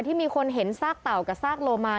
มีคนเห็นซากเต่ากับซากโลมา